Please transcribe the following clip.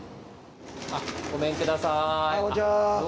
ごめんください。